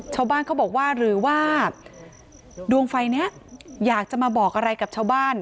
ชาวบ้านเขาบอกว่าหรือว่าดวงไฟนี้อยากจะมาบอกอะไรกับชาวบ้าน